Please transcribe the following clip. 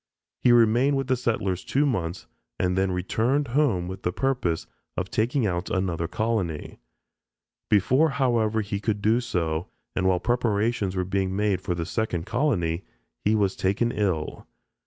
He remained with the settlers two months and then returned home with the purpose of taking out another colony. Before, however, he could do so, and while preparations were being made for the second colony, he was taken ill.